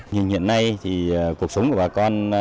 nhìn hiện nay thì cuộc sống của bà con